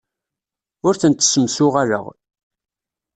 Ur tent-ssemsuɣaleɣ.